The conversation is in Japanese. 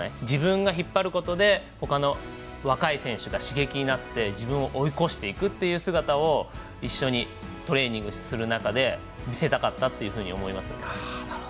自分が引っ張ることでほかの若い選手が刺激になって自分を追い越していくという姿を一緒にトレーニングする中で見せたかったって思いますね。